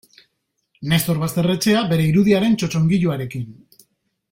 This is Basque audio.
Nestor Basterretxea bere irudiaren txotxongiloarekin.